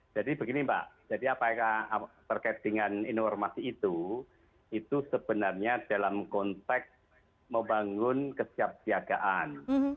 jadi begini mbak jadi apa yang terkait dengan informasi itu itu sebenarnya dalam konteks membangun kesiap siagaan